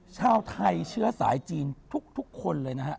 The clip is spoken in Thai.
ชาวไทยเชื้อสายจีนทุกคนเลยนะฮะ